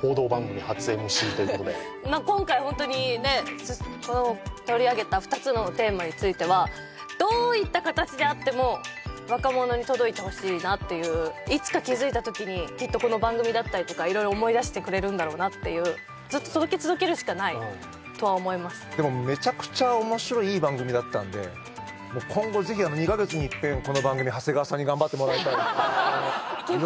報道番組初ＭＣということで今回ホントにねっ取り上げた２つのテーマについてはどういった形であってもいつか気づいた時にきっとこの番組だったりとか色々思い出してくれるんだろうなっていうずっと届け続けるしかないとは思いますでもめちゃくちゃ面白いいい番組だったんでもう今後ぜひ２カ月にいっぺんこの番組長谷川さんに頑張ってもらいたいなといけますか？